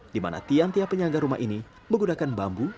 di mana tiang tiang penyangga rumah ini menggunakan bambu